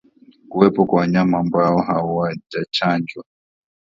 Kuwepo kwa wanyama ambao hawajachanjwa